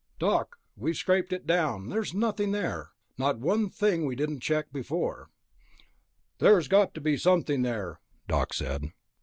"Doc, we'd scraped it clean, and there's nothing there. Not one thing that we didn't check before." "There's got to be something there," Doc said.